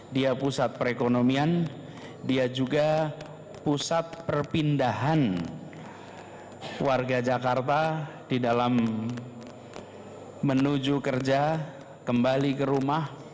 dia pusat perekonomian dia juga pusat perpindahan warga jakarta di dalam menuju kerja kembali ke rumah